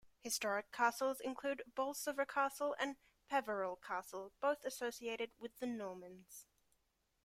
Historic castles include Bolsover Castle and Peveril Castle, both associated with the Normans.